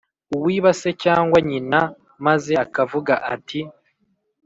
uwiba se cyangwa nyina maze akavuga ati